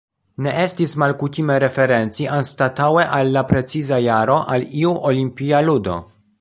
Ne estis malkutime referenci, anstataŭe al la preciza jaro, al iu Olimpia ludo.